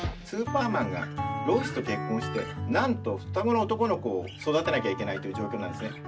スーパーマンがロイスと結婚してなんと双子の男の子を育てなきゃいけないという状況なんですね。